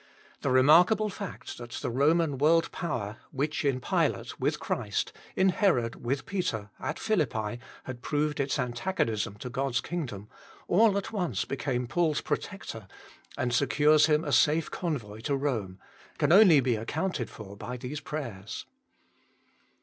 The remarkable fact that the Roman world power, which in Pilate with Christ, in Herod with Peter, at Philippi, had proved its antagonism to God s kingdom, all at once becomes Paul s protector, and secures him a safe convoy to Rome, can only be accounted for by these prayers.